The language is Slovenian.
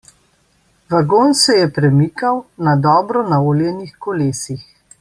Vagon se je premikal na dobro naoljenih kolesih.